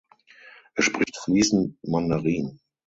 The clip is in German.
Er spricht fließend Mandarin.